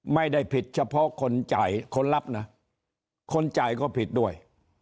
ไม่ได้ผิดเฉพาะคนจ่ายคนรับนะคนจ่ายก็ผิดด้วย